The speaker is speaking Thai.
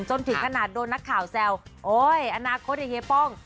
จนถึงขนาดโดนนักข่าวแซวโอ๊ยอนาคตอย่างเฮียป้อง